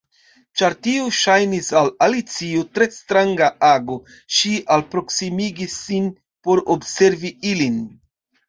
Ĉar tio ŝajnis al Alicio tre stranga ago, ŝi alproksimigis sin por observi ilin.